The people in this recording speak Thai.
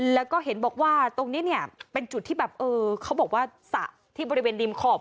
แล้วก็เห็นบอกว่าตรงนี้เนี่ยเป็นจุดที่แบบเออเขาบอกว่าสระที่บริเวณริมขอบ